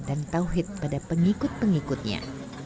dan tauhid pada pengikut pengikutnya